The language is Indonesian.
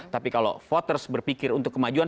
tapi kalau voters berpikir untuk kemajuan